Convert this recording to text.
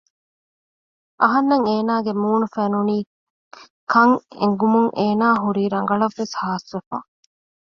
އަހަންނަށް އޭނާގެ މޫނު ފެނުނީކަން އެނގުމުން އޭނާ ހުރީ ރަނގަޅަށްވެސް ހާސްވެފަ